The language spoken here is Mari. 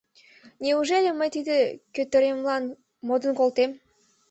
Неужели мый тиде кӧтыремлан модын колтем?